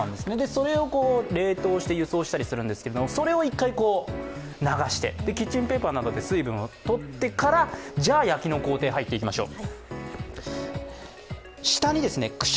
それを冷凍して輸送したりするんですけどそれを１回流して、キッチンペーパーなどで水分を取ってからじゃあ焼きの行程に入っていきましょう。